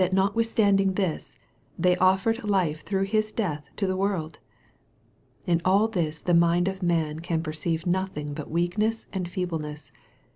79 notwithstanding this, they offered life through His death to the world ! In all this the mind of man can perceive nothing but weakness and feebleness.